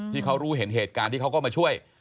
ที่เขารู้เห็นเหตุการณ์ที่เขาก็มาช่วย